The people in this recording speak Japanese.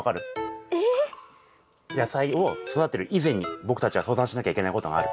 野菜を育てる以前に僕たちは相談しなきゃいけないことがある。